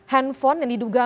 handphone yang diduga